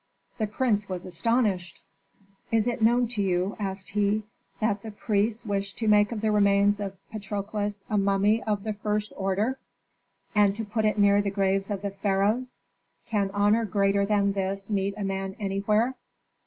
The prince was astonished. "Is it known to you," asked he, "that the priests wish to make of the remains of Patrokles a mummy of the first order, and to put it near the graves of the pharaohs? Can honor greater than this meet a man anywhere?"